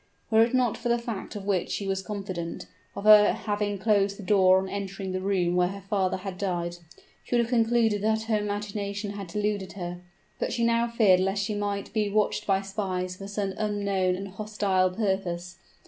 Were it not for the fact, of which she was confident, of her having closed the door on entering the room where her father had died, she would have concluded that her imagination had deluded her; but she now feared lest she might be watched by spies for some unknown and hostile purpose.